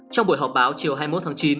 trong buổi họp báo chiều hai mươi một tháng chín